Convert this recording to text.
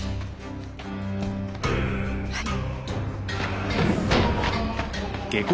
はい。